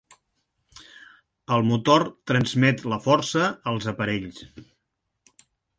El motor transmet la força als aparells.